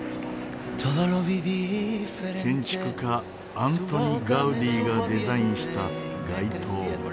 建築家アントニ・ガウディがデザインした街灯。